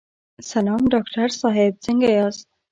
سلام ډاکټر صاحب، څنګه یاست؟